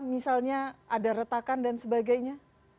misalnya ada retakan dan sebagainya